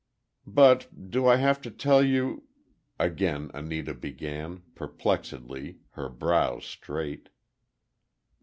"But do I have to tell you—" again Anita began, perplexedly—her brows straight.